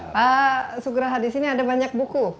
pak sugraha di sini ada banyak buku